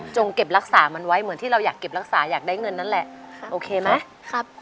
เก็บรักษามันไว้เหมือนที่เราอยากเก็บรักษาอยากได้เงินนั่นแหละโอเคไหมครับ